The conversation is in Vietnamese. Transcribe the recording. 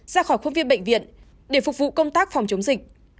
ra khỏi khuôn viên bệnh viện để phục vụ công tác phòng chống dịch